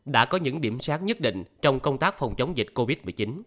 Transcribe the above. đã có những điểm sáng nhất định trong công tác phòng chống dịch covid một mươi chín